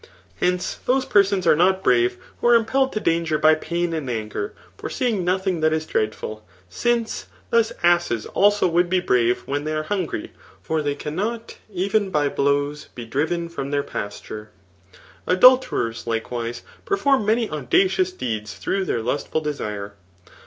Hence those per sons are not brave who are impelled to danger by pain aad anger, foreseang nodung that is dreadful ; since thus asses also would be brave when they are hungry ^ kar they cannot, even by blows, be driven from their pasture. Adulterers^ likewise, perform many audacious deeds through their lustful desire.